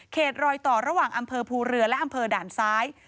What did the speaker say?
รอยต่อระหว่างอำเภอภูเรือและอำเภอด่านซ้าย